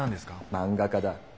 漫画家だ。